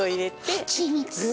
はちみつ。